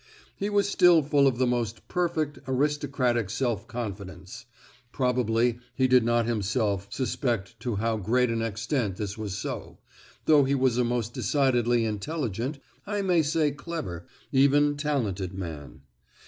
He was still full of the most perfect, aristocratic self confidence: probably he did not himself suspect to how great an extent this was so, though he was a most decidedly intelligent, I may say clever, even talented man.